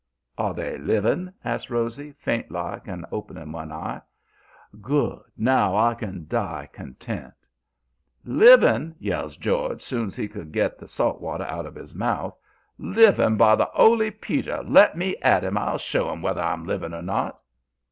"'Are they living?' asks Rosy, faint like and opening one eye. 'Good! Now I can die content.' "'Living!' yells George, soon's he could get the salt water out of his mouth. 'Living! By the 'oly Peter! Let me at 'im! I'll show 'im whether I'm living or not!'